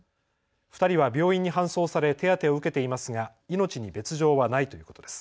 ２人は病院に搬送され手当てを受けていますが命に別状はないということです。